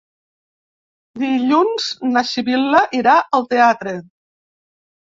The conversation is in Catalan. Dilluns na Sibil·la irà al teatre.